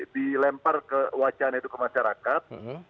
dilempar ke wacana itu ke masyarakat